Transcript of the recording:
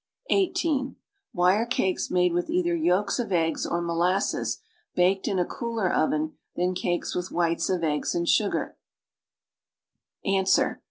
Why are cakes made with either yolks of eggs or molasses baked in a cooler oven than cakes with whites of eggs and sugar?